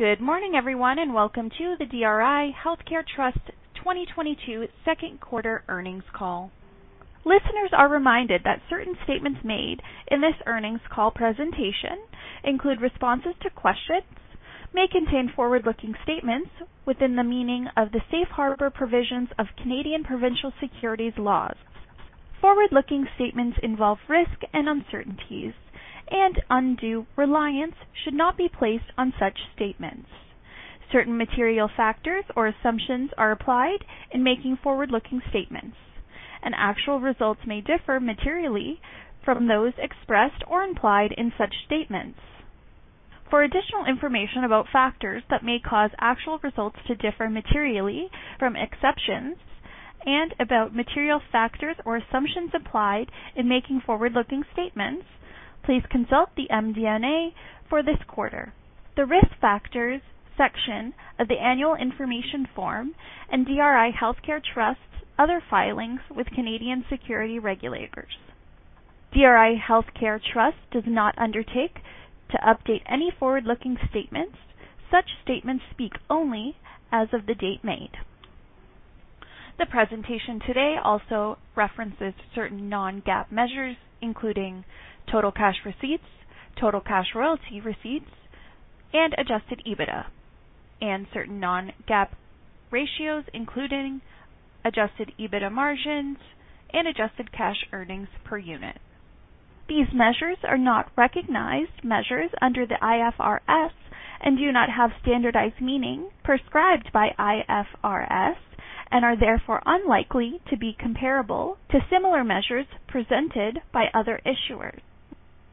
Good morning, everyone, and welcome to the DRI Healthcare Trust 2022 second quarter earnings call. Listeners are reminded that certain statements made in this earnings call presentation, including responses to questions, may contain forward-looking statements within the meaning of the safe harbor provisions of Canadian provincial securities laws. Forward-looking statements involve risks and uncertainties, and undue reliance should not be placed on such statements. Certain material factors or assumptions are applied in making forward-looking statements, and actual results may differ materially from those expressed or implied in such statements. For additional information about factors that may cause actual results to differ materially from expectations and about material factors or assumptions applied in making forward-looking statements, please consult the MD&A for this quarter, the Risk Factors section of the annual information form and DRI Healthcare Trust's other filings with Canadian securities regulators. DRI Healthcare Trust does not undertake to update any forward-looking statements. Such statements speak only as of the date made. The presentation today also references certain non-GAAP measures, including total cash receipts, total cash royalty receipts, and adjusted EBITDA, and certain non-GAAP ratios, including adjusted EBITDA margins and adjusted cash earnings per unit. These measures are not recognized measures under the IFRS and do not have standardized meaning prescribed by IFRS and are therefore unlikely to be comparable to similar measures presented by other issuers.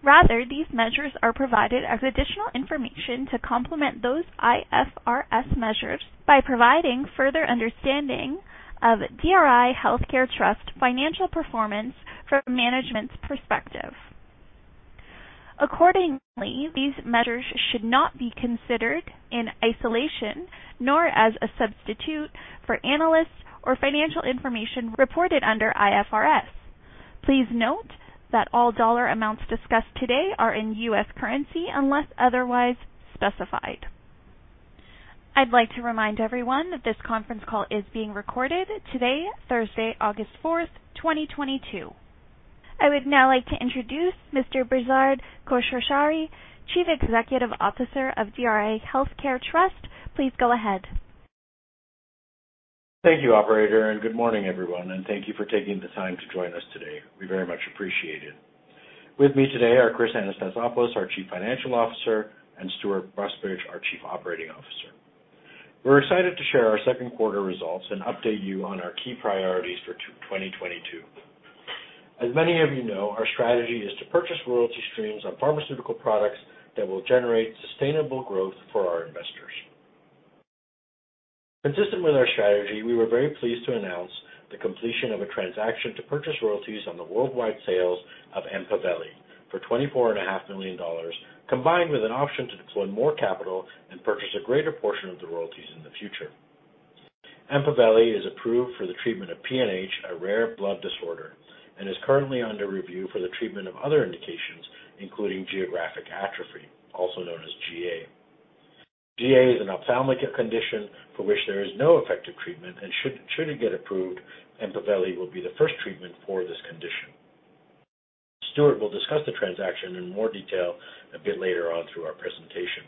Rather, these measures are provided as additional information to complement those IFRS measures by providing further understanding of DRI Healthcare Trust financial performance from management's perspective. Accordingly, these measures should not be considered in isolation nor as a substitute for analysis of financial information reported under IFRS. Please note that all dollar amounts discussed today are in U.S. currency unless otherwise specified. I'd like to remind everyone that this conference call is being recorded today, Thursday, August 4th, 2022. I would now like to introduce Mr. Behzad Khosrowshahi, Chief Executive Officer of DRI Healthcare Trust. Please go ahead. Thank you, operator, and good morning, everyone, and thank you for taking the time to join us today. We very much appreciate it. With me today are Chris Anastasopoulos, our Chief Financial Officer, and Stewart Busbridge, our Chief Operating Officer. We're excited to share our second quarter results and update you on our key priorities for 2022. As many of you know, our strategy is to purchase royalty streams on pharmaceutical products that will generate sustainable growth for our investors. Consistent with our strategy, we were very pleased to announce the completion of a transaction to purchase royalties on the worldwide sales of Empaveli for $24 and a half million, combined with an option to deploy more capital and purchase a greater portion of the royalties in the future. Empaveli is approved for the treatment of PNH, a rare blood disorder, and is currently under review for the treatment of other indications, including geographic atrophy, also known as GA. GA is an ophthalmic condition for which there is no effective treatment, and should it get approved, Empaveli will be the first treatment for this condition. Stewart will discuss the transaction in more detail a bit later on through our presentation.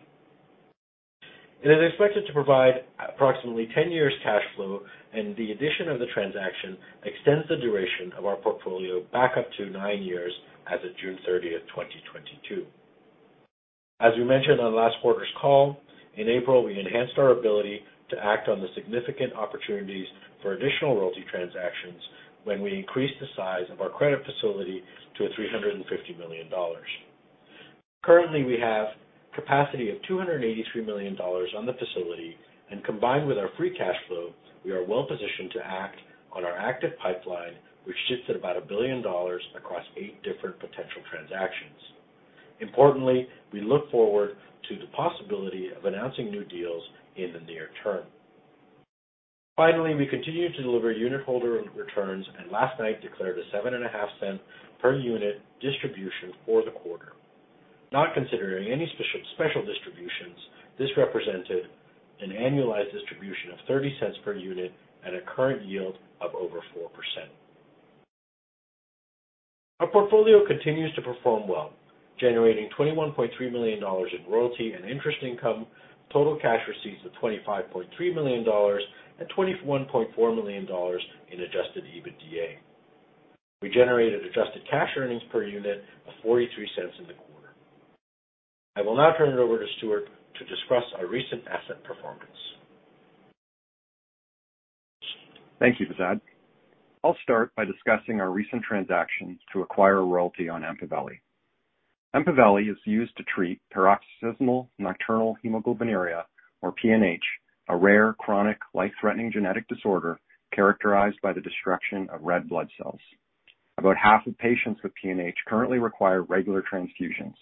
It is expected to provide approximately 10 years cash flow, and the addition of the transaction extends the duration of our portfolio back up to nine years as of June 30th, 2022. As we mentioned on last quarter's call, in April, we enhanced our ability to act on the significant opportunities for additional royalty transactions when we increased the size of our credit facility to $350 million. Currently, we have capacity of $283 million on the facility, and combined with our free cash flow, we are well positioned to act on our active pipeline, which sits at about $1 billion across eight different potential transactions. Importantly, we look forward to the possibility of announcing new deals in the near term. Finally, we continue to deliver unitholder returns and last night declared a $0.075 per unit distribution for the quarter. Not considering any special distributions, this represented an annualized distribution of $0.30 per unit at a current yield of over 4%. Our portfolio continues to perform well, generating $21.3 million in royalty and interest income, total cash receipts of $25.3 million, and $21.4 million in adjusted EBITDA. We generated adjusted cash earnings per unit of $0.43 in the quarter. I will now turn it over to Stewart to discuss our recent asset performance. Thank you, Behzad. I'll start by discussing our recent transaction to acquire a royalty on Empaveli. Empaveli is used to treat paroxysmal nocturnal hemoglobinuria, or PNH, a rare, chronic, life-threatening genetic disorder characterized by the destruction of red blood cells. About half of patients with PNH currently require regular transfusions.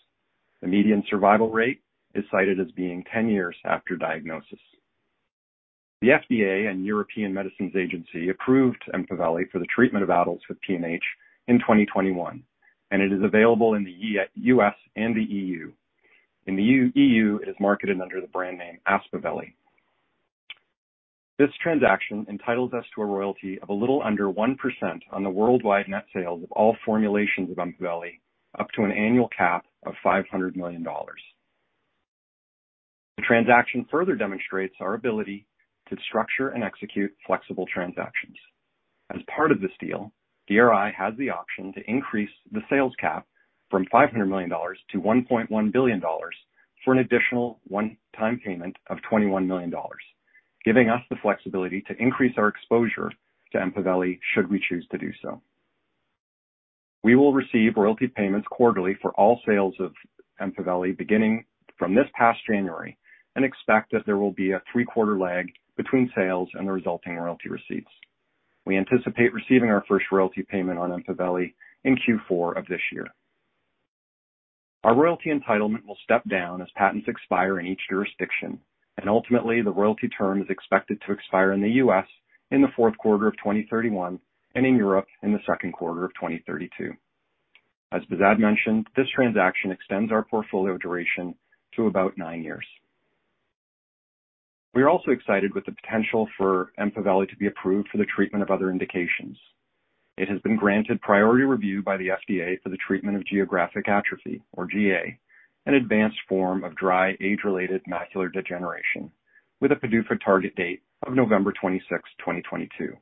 The median survival rate is cited as being 10 years after diagnosis. The FDA and European Medicines Agency approved Empaveli for the treatment of adults with PNH in 2021, and it is available in the U.S. and the EU. In the EU, it is marketed under the brand name Aspaveli. This transaction entitles us to a royalty of a little under 1% on the worldwide net sales of all formulations of Empaveli, up to an annual cap of $500 million. The transaction further demonstrates our ability to structure and execute flexible transactions. As part of this deal, DRI has the option to increase the sales cap from $500 million to $1.1 billion for an additional one-time payment of $21 million, giving us the flexibility to increase our exposure to Empaveli should we choose to do so. We will receive royalty payments quarterly for all sales of Empaveli beginning from this past January and expect that there will be a three-quarter lag between sales and the resulting royalty receipts. We anticipate receiving our first royalty payment on Empaveli in Q4 of this year. Our royalty entitlement will step down as patents expire in each jurisdiction, and ultimately, the royalty term is expected to expire in the U.S. in the fourth quarter of 2031 and in Europe in the second quarter of 2032. As Behzad mentioned, this transaction extends our portfolio duration to about nine years. We are also excited with the potential for Empaveli to be approved for the treatment of other indications. It has been granted priority review by the FDA for the treatment of geographic atrophy, or GA, an advanced form of dry age-related macular degeneration, with a PDUFA target date of November 26th, 2022.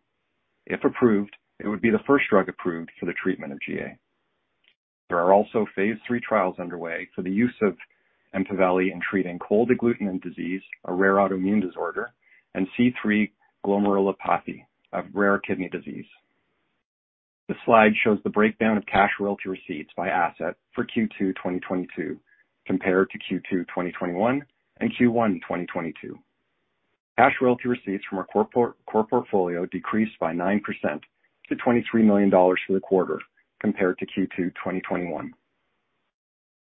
If approved, it would be the first drug approved for the treatment of GA. There are also phase III trials underway for the use of Empaveli in treating cold agglutinin disease, a rare autoimmune disorder, and C3 glomerulopathy, a rare kidney disease. This slide shows the breakdown of cash royalty receipts by asset for Q2 2022 compared to Q2 2021 and Q1 2022. Cash royalty receipts from our core portfolio decreased by 9% to $23 million for the quarter compared to Q2 2021.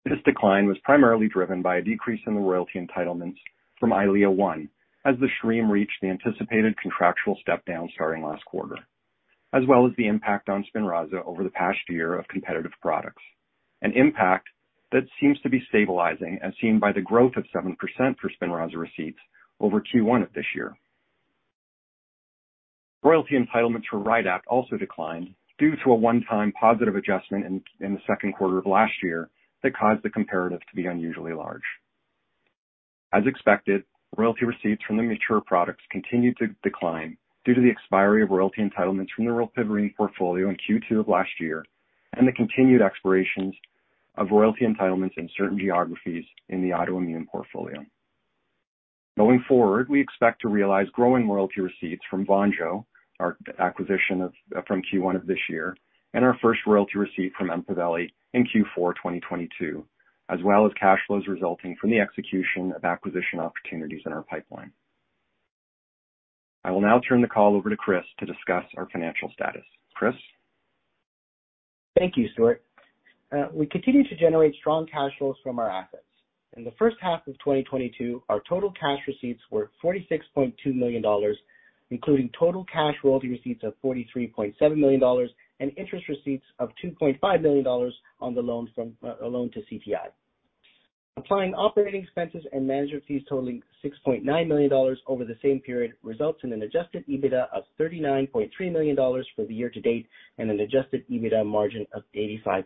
This decline was primarily driven by a decrease in the royalty entitlements from EYLEA one, as the stream reached the anticipated contractual step-down starting last quarter, as well as the impact on SPINRAZA over the past year of competitive products, an impact that seems to be stabilizing as seen by the growth of 7% for SPINRAZA receipts over Q1 of this year. Royalty entitlements for Rydapt also declined due to a one-time positive adjustment in the second quarter of last year that caused the comparative to be unusually large. As expected, royalty receipts from the mature products continued to decline due to the expiry of royalty entitlements from the Ropivacaine portfolio in Q2 of last year and the continued expirations of royalty entitlements in certain geographies in the autoimmune portfolio. Going forward, we expect to realize growing royalty receipts from Vonjo, from Q1 of this year, and our first royalty receipt from Empaveli in Q4 2022, as well as cash flows resulting from the execution of acquisition opportunities in our pipeline. I will now turn the call over to Chris to discuss our financial status. Chris? Thank you, Stewart. We continue to generate strong cash flows from our assets. In the first half of 2022, our total cash receipts were $46.2 million, including total cash royalty receipts of $43.7 million and interest receipts of $2.5 million on a loan to CTI. Applying operating expenses and management fees totaling $6.9 million over the same period results in an adjusted EBITDA of $39.3 million for the year to date and an adjusted EBITDA margin of 85%.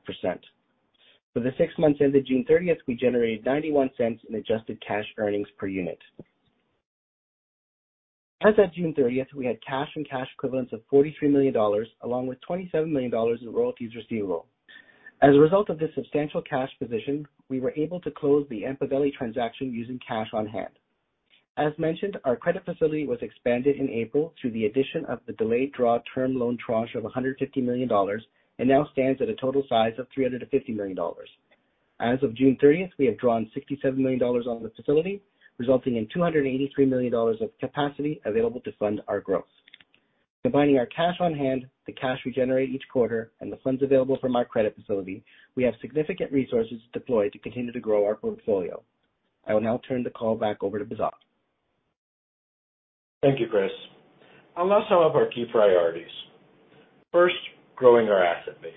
For the six months ended June thirtieth, we generated $0.91 in adjusted cash earnings per unit. As of June 30th, we had cash and cash equivalents of $43 million along with $27 million in royalties receivable. As a result of this substantial cash position, we were able to close the Empaveli transaction using cash on hand. As mentioned, our credit facility was expanded in April through the addition of the delayed draw term loan tranche of $150 million and now stands at a total size of $350 million. As of June thirtieth, we have drawn $67 million on the facility, resulting in $283 million of capacity available to fund our growth. Combining our cash on hand, the cash we generate each quarter, and the funds available from our credit facility, we have significant resources deployed to continue to grow our portfolio. I will now turn the call back over to Behzad. Thank you, Chris. I'll now sum up our key priorities. First, growing our asset base.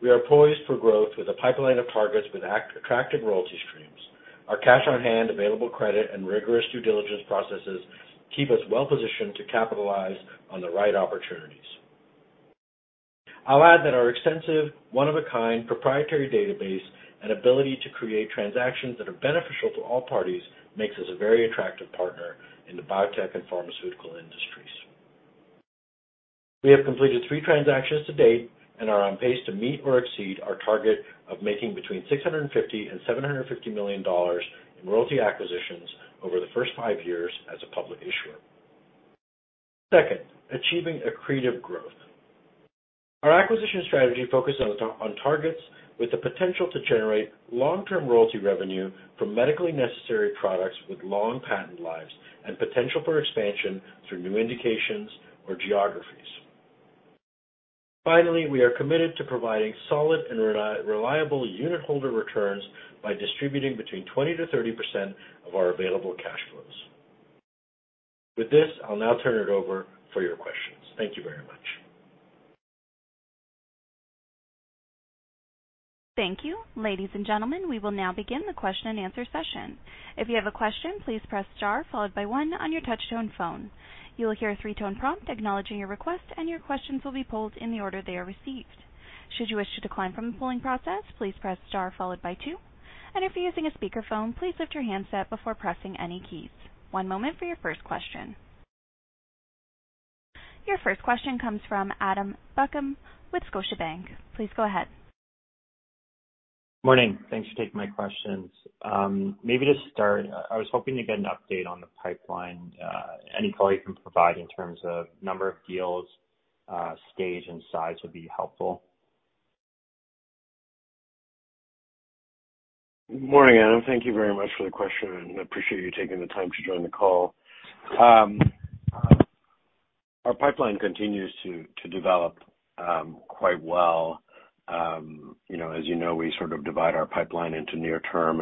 We are poised for growth with a pipeline of targets with attractive royalty streams. Our cash on hand, available credit, and rigorous due diligence processes keep us well-positioned to capitalize on the right opportunities. I'll add that our extensive one-of-a-kind proprietary database and ability to create transactions that are beneficial to all parties makes us a very attractive partner in the biotech and pharmaceutical industries. We have completed three transactions to date and are on pace to meet or exceed our target of making between $650 million and $750 million in royalty acquisitions over the first five years as a public issuer. Second, achieving accretive growth. Our acquisition strategy focuses on targets with the potential to generate long-term royalty revenue from medically necessary products with long patent lives and potential for expansion through new indications or geographies. Finally, we are committed to providing solid and reliable unitholder returns by distributing between 20%-30% of our available cash flows. With this, I'll now turn it over for your questions. Thank you very much. Thank you. Ladies and gentlemen, we will now begin the question-and-answer session. If you have a question, please press star followed by one on your touchtone phone. You will hear a three-tone prompt acknowledging your request, and your questions will be pulled in the order they are received. Should you wish to decline from the polling process, please press star followed by two. If you're using a speakerphone, please lift your handset before pressing any keys. One moment for your first question. Your first question comes from Adam Buckham with Scotiabank. Please go ahead. Morning. Thanks for taking my questions. Maybe to start, I was hoping to get an update on the pipeline. Any color you can provide in terms of number of deals, stage and size would be helpful. Morning, Adam. Thank you very much for the question, and I appreciate you taking the time to join the call. Our pipeline continues to develop quite well. You know, as you know, we sort of divide our pipeline into near-term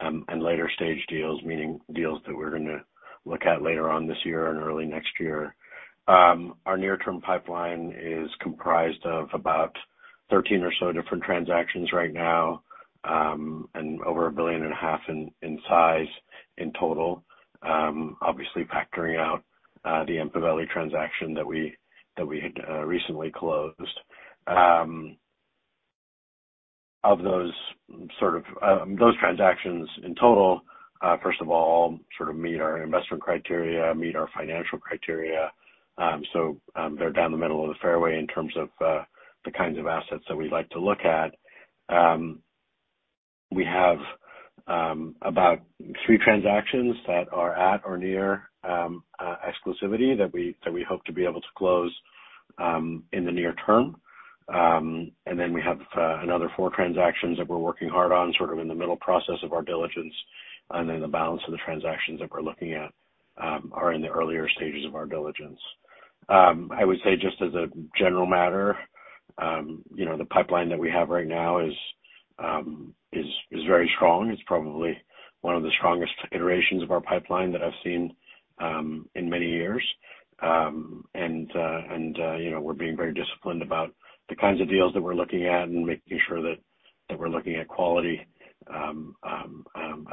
and later-stage deals, meaning deals that we're gonna look at later on this year and early next year. Our near-term pipeline is comprised of about 13 or so different transactions right now, and over $1.5 billion in size in total, obviously factoring out the Empaveli transaction that we had recently closed. Of those sort of transactions in total, first of all, sort of meet our investment criteria, meet our financial criteria. They're down the middle of the fairway in terms of the kinds of assets that we'd like to look at. We have about three transactions that are at or near exclusivity that we hope to be able to close in the near term. We have another four transactions that we're working hard on, sort of in the middle process of our diligence. The balance of the transactions that we're looking at are in the earlier stages of our diligence. I would say, just as a general matter, you know, the pipeline that we have right now is very strong. It's probably one of the strongest iterations of our pipeline that I've seen in many years, you know, we're being very disciplined about the kinds of deals that we're looking at and making sure that we're looking at quality,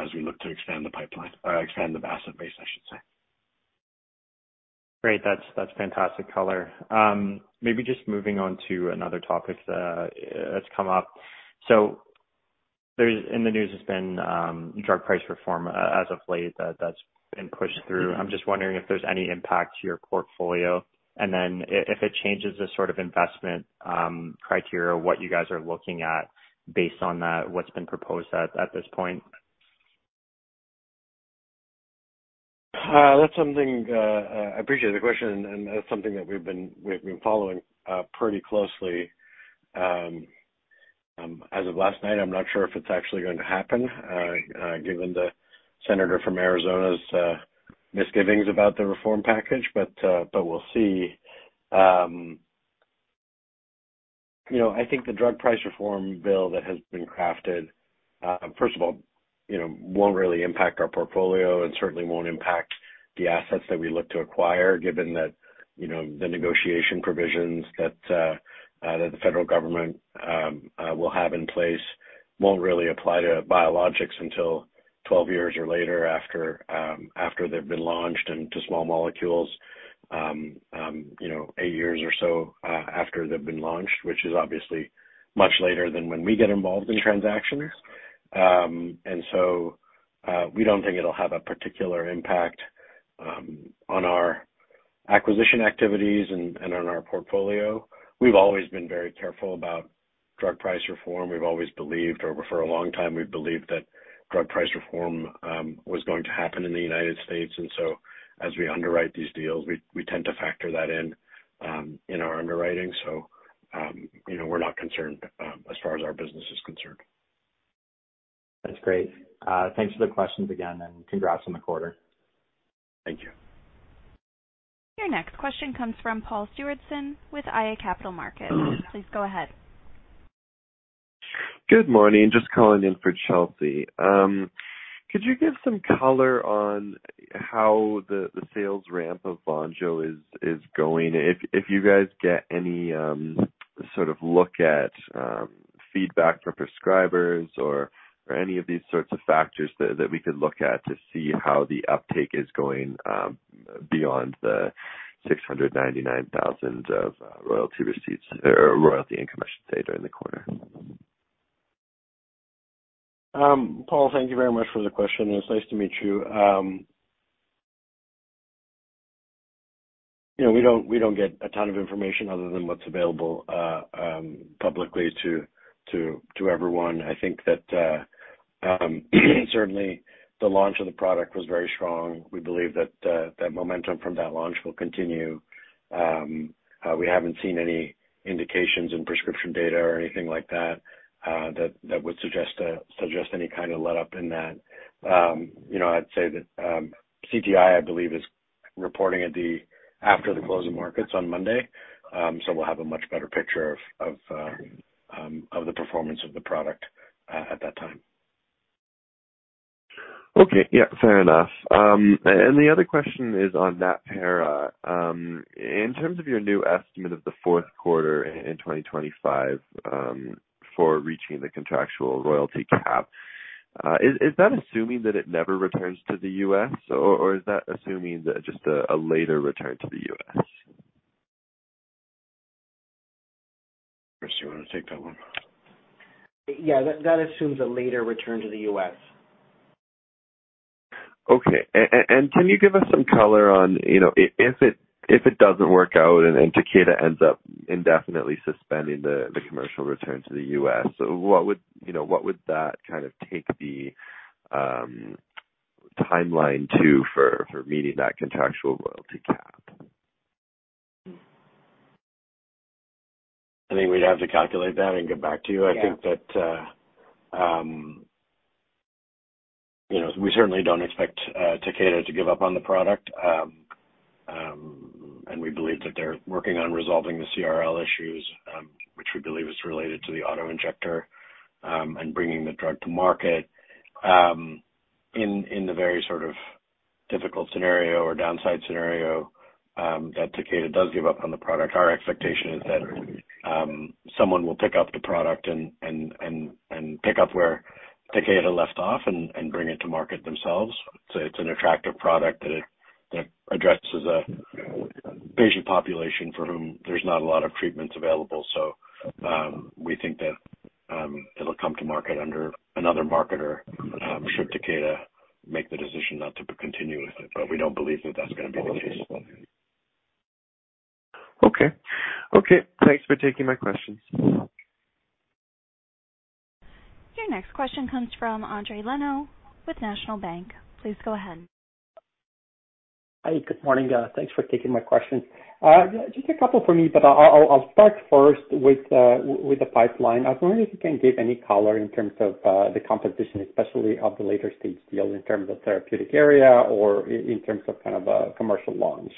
as we look to expand the pipeline, or expand the asset base, I should say. Great. That's fantastic color. Maybe just moving on to another topic that's come up. There's in the news has been drug price reform as of late that's been pushed through. I'm just wondering if there's any impact to your portfolio, and then if it changes the sort of investment criteria, what you guys are looking at based on that, what's been proposed at this point. That's something, I appreciate the question, and that's something that we've been following pretty closely. As of last night, I'm not sure if it's actually going to happen, given the senator from Arizona's misgivings about the reform package. We'll see. You know, I think the drug price reform bill that has been crafted, first of all, you know, won't really impact our portfolio and certainly won't impact the assets that we look to acquire, given that, you know, the negotiation provisions that the federal government will have in place won't really apply to biologics until 12 years or later after they've been launched or small molecules, you know, 8 years or so after they've been launched, which is obviously much later than when we get involved in transactions. We don't think it'll have a particular impact on our acquisition activities and on our portfolio. We've always been very careful about drug price reform. We've always believed, or for a long time, we've believed that drug price reform was going to happen in the United States. As we underwrite these deals, we tend to factor that in our underwriting. You know, we're not concerned, as far as our business is concerned. That's great. Thanks for the questions again, and congrats on the quarter. Thank you. Your next question comes from Paul Stewardson with iA Capital Markets. Please go ahead. Good morning. Just calling in for Chelsea. Could you give some color on how the sales ramp of Vonjo is going? If you guys get any sort of look at feedback from prescribers or any of these sorts of factors that we could look at to see how the uptake is going, beyond the $699,000 of royalty receipts or royalty income, I should say, during the quarter. Paul, thank you very much for the question. It's nice to meet you. You know, we don't get a ton of information other than what's available publicly to everyone. I think that certainly the launch of the product was very strong. We believe that momentum from that launch will continue. We haven't seen any indications in prescription data or anything like that that would suggest any kind of letup in that. You know, I'd say that CTI, I believe, is reporting after the close of markets on Monday. We'll have a much better picture of the performance of the product at that time. Okay. Yeah, fair enough. The other question is on Natpara. In terms of your new estimate of the fourth quarter in 2025 for reaching the contractual royalty cap, is that assuming that it never returns to the U.S. or is that assuming that just a later return to the U.S.? Chris, do you want to take that one? Yeah. That assumes a later return to the U.S. Okay. Can you give us some color on, you know, if it doesn't work out and then Takeda ends up indefinitely suspending the commercial return to the U.S., what would, you know, that kind of take the timeline to for meeting that contractual royalty cap? I think we'd have to calculate that and get back to you. Yeah. I think that, you know, we certainly don't expect Takeda to give up on the product. We believe that they're working on resolving the CRL issues, which we believe is related to the auto-injector, and bringing the drug to market. In the very sort of difficult scenario or downside scenario, that Takeda does give up on the product, our expectation is that someone will pick up the product and pick up where Takeda left off and bring it to market themselves. It's an attractive product that addresses a patient population for whom there's not a lot of treatments available. We think that it'll come to market under another marketer, should Takeda make the decision not to continue with it, but we don't believe that that's gonna be the case. Okay. Okay, thanks for taking my questions. Your next question comes from Endri Leno with National Bank. Please go ahead. Hi. Good morning. Thanks for taking my question. Just a couple for me, but I'll start first with the pipeline. I was wondering if you can give any color in terms of the competition, especially of the later stage deals in terms of therapeutic area or in terms of kind of commercial launch.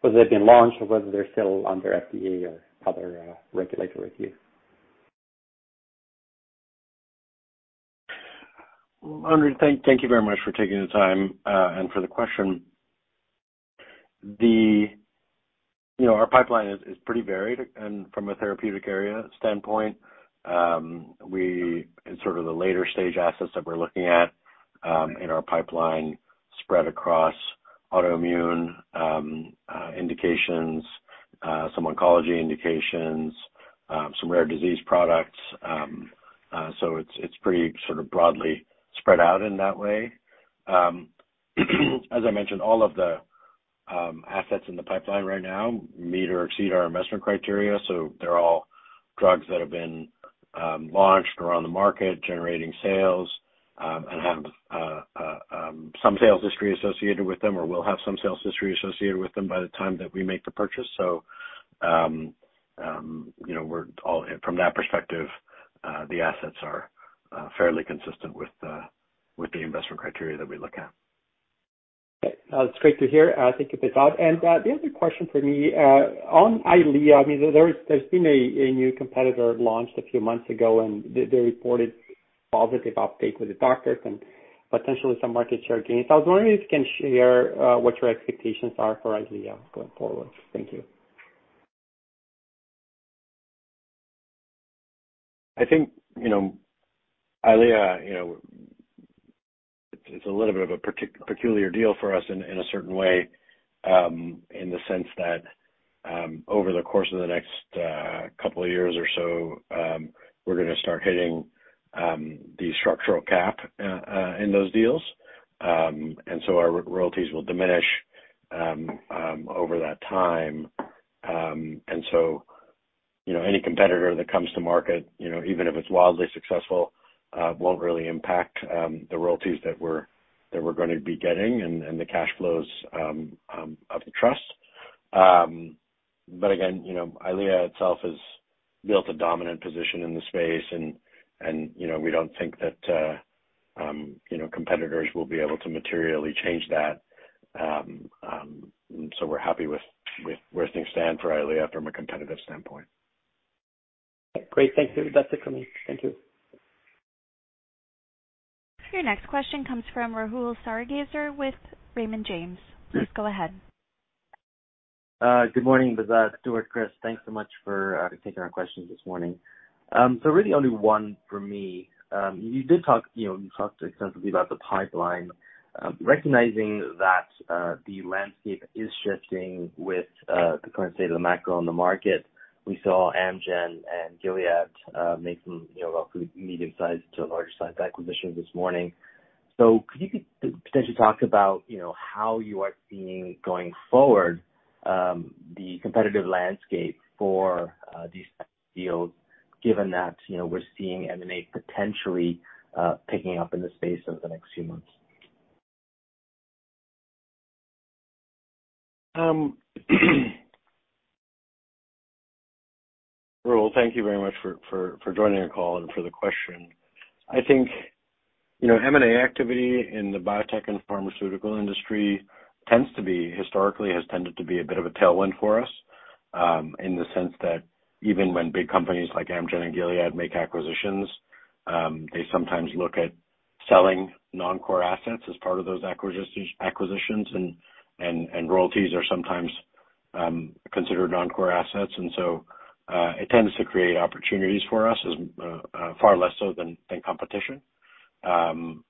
Whether they've been launched or whether they're still under FDA or other regulatory review. Endri, thank you very much for taking the time and for the question. You know, our pipeline is pretty varied and from a therapeutic area standpoint, and sort of the later stage assets that we're looking at in our pipeline spread across autoimmune indications, some oncology indications, some rare disease products. It's pretty sort of broadly spread out in that way. As I mentioned, all of the assets in the pipeline right now meet or exceed our investment criteria. They're all drugs that have been launched or on the market generating sales, and have some sales history associated with them or will have some sales history associated with them by the time that we make the purchase. You know, we're all, from that perspective, the assets are fairly consistent with the investment criteria that we look at. That's great to hear. Thank you for that. The other question for me on EYLEA, I mean, there's been a new competitor launched a few months ago, and they reported positive update with the doctors and potentially some market share gains. I was wondering if you can share what your expectations are for EYLEA going forward. Thank you. I think, you know, EYLEA, you know, it's a little bit of a peculiar deal for us in a certain way, in the sense that, over the course of the next couple of years or so, we're gonna start hitting the structural cap in those deals. Our royalties will diminish over that time. Any competitor that comes to market, you know, even if it's wildly successful, won't really impact the royalties that we're gonna be getting and the cash flows of the trust. Again, you know, EYLEA itself has built a dominant position in the space and, you know, we don't think that, you know, competitors will be able to materially change that. We're happy with where things stand for EYLEA from a competitive standpoint. Great. Thank you. That's it for me. Thank you. Your next question comes from Rahul Sarugaser with Raymond James. Please go ahead. Good morning, Behzad, Stewart, Chris. Thanks so much for taking our questions this morning. Really only one for me. You did talk, you know, you talked extensively about the pipeline. Recognizing that the landscape is shifting with the current state of the macro in the market. We saw Amgen and Gilead make some, you know, medium-sized to large-sized acquisitions this morning. Could you potentially talk about, you know, how you are seeing going forward the competitive landscape for these deals, given that, you know, we're seeing M&A potentially picking up in the space over the next few months? Sure. Well, thank you very much for joining the call and for the question. I think, you know, M&A activity in the biotech and pharmaceutical industry tends to be a bit of a tailwind for us, in the sense that even when big companies like Amgen and Gilead make acquisitions, they sometimes look at selling non-core assets as part of those acquisitions and royalties are sometimes considered non-core assets. It tends to create opportunities for us far less so than competition. You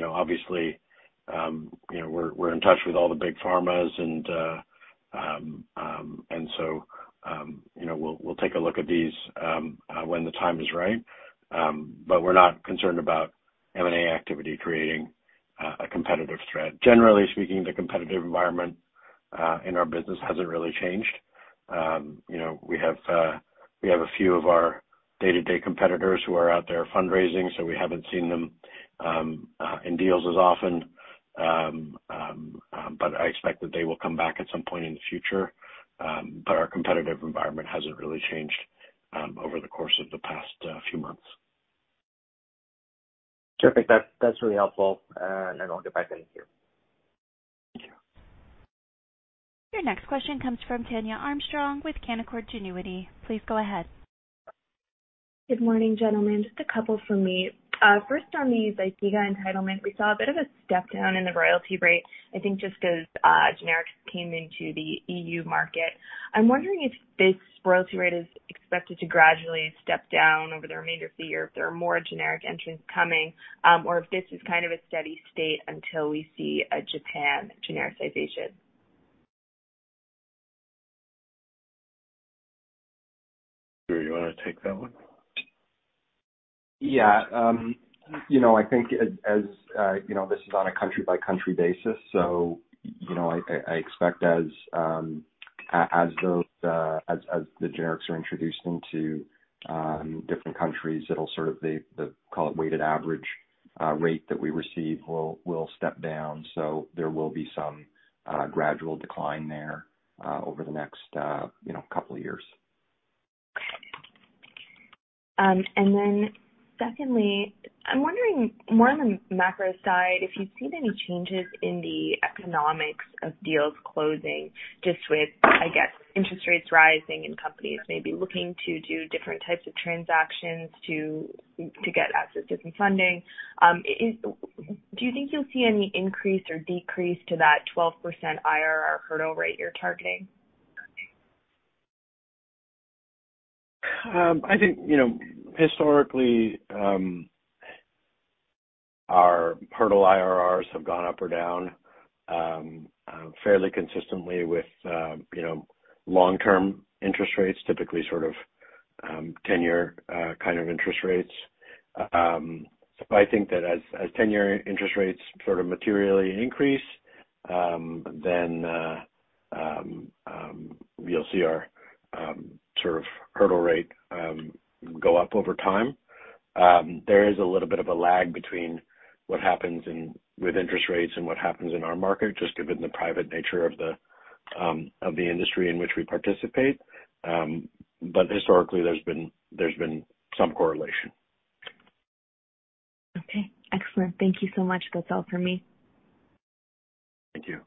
know, obviously, you know, we're in touch with all the big pharmas and so, you know, we'll take a look at these when the time is right. We're not concerned about M&A activity creating a competitive threat. Generally speaking, the competitive environment in our business hasn't really changed. You know, we have a few of our day-to-day competitors who are out there fundraising, so we haven't seen them in deals as often. I expect that they will come back at some point in the future. Our competitive environment hasn't really changed over the course of the past few months. Perfect. That's really helpful. I'll get back in queue. Thank you. Your next question comes from Tania Armstrong-Whitworth with Canaccord Genuity. Please go ahead. Good morning, gentlemen. Just a couple from me. First on the Zyprexa entitlement. We saw a bit of a step down in the royalty rate. I think just as generics came into the EU market. I'm wondering if this royalty rate is expected to gradually step down over the remainder of the year if there are more generic entrants coming, or if this is kind of a steady state until we see a Japan genericization. Sure. You wanna take that one? Yeah, you know, I think as you know, this is on a country-by-country basis, so you know, I expect as those generics are introduced into different countries, it'll sort of be the, call it weighted average, rate that we receive will step down. There will be some gradual decline there over the next, you know, couple of years. Secondly, I'm wondering more on the macro side if you've seen any changes in the economics of deals closing just with, I guess, interest rates rising and companies maybe looking to do different types of transactions to get access to some funding. Do you think you'll see any increase or decrease to that 12% IRR hurdle rate you're targeting? I think, you know, historically, our hurdle IRRs have gone up or down, fairly consistently with, you know, long-term interest rates, typically sort of, ten-year kind of interest rates. I think that as ten-year interest rates sort of materially increase, then, you'll see our, sort of hurdle rate, go up over time. There is a little bit of a lag between what happens with interest rates and what happens in our market just given the private nature of the industry in which we participate. Historically there's been some correlation. Okay. Excellent. Thank you so much. That's all for me. Thank you.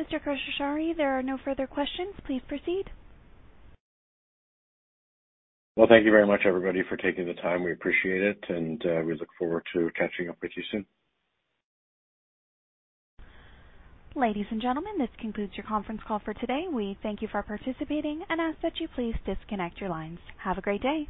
Mr. Khosrowshahi, there are no further questions. Please proceed. Well, thank you very much, everybody, for taking the time. We appreciate it, and we look forward to catching up with you soon. Ladies and gentlemen, this concludes your conference call for today. We thank you for participating and ask that you please disconnect your lines. Have a great day.